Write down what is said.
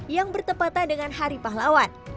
yang bertepatan dengan hari pahlawan